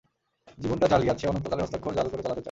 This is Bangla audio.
জীবনটা জালিয়াত, সে অনন্তকালের হস্তাক্ষর জাল করে চালাতে চায়।